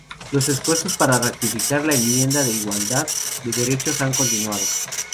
Los esfuerzos para ratificar la Enmienda de Igualdad de Derechos han continuado.